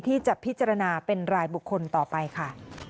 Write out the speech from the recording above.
ที่จะพิจารณาเป็นรายบุคคลต่อไปค่ะ